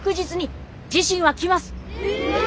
え！